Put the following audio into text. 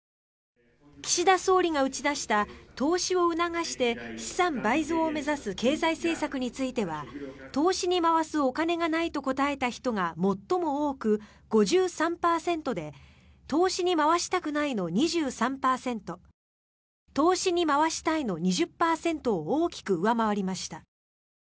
岸田総理が打ち出した投資を促して資産倍増を目指す経済政策については投資に回すお金がないと答えた人が最も多く５３％で投資に回したくないの２３％投資に回したいの２０％を大きく上回りました。